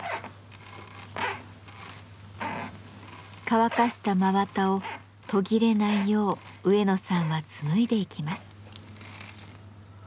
乾かした真綿を途切れないよう植野さんは紡いでいきます。